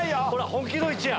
本気の位置や！